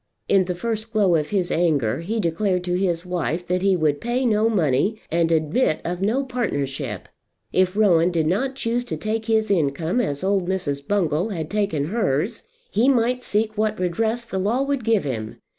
In the first glow of his anger he declared to his wife that he would pay no money and admit of no partnership. If Rowan did not choose to take his income as old Mrs. Bungall had taken hers he might seek what redress the law would give him.